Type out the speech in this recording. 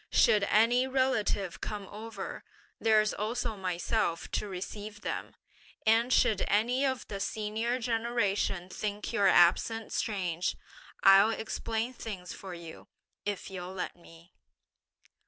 Should any relative come over, there's also myself to receive them; and should any of the senior generation think your absence strange, I'll explain things for you, if you'll let me.'